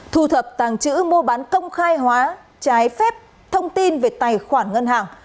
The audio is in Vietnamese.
thu thập tàng trữ mua bán công khai hóa trái phép thông tin về tài khoản ngân hàng